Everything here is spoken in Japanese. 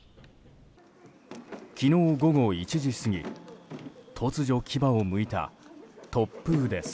昨日午後１時過ぎ突如、牙をむいた突風です。